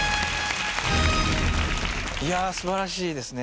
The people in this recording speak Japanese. いやあ素晴らしいですね。